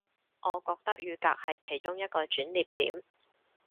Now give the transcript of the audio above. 我覺得雨革係其中一個轉捩點